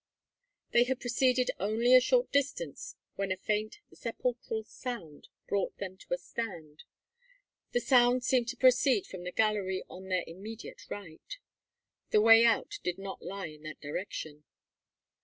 They had proceeded only a short distance when a faint, sepulchral shout brought them to a stand. The sound seemed to proceed from a gallery on their immediate right. The way out did not lie in that direction.